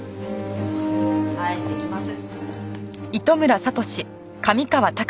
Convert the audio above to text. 返してきます。